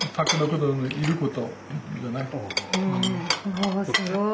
おおすごい。